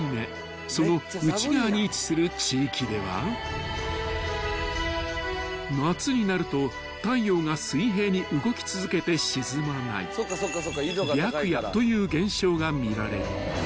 ［その内側に位置する地域では夏になると太陽が水平に動き続けて沈まない白夜という現象が見られる］